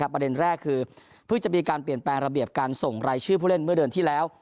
ประเด็นแรกคือเพิ่งจะมีการเปลี่ยนแปลงระเบียบการส่งรายชื่อผู้เล่นเมื่อเดือนที่แล้ว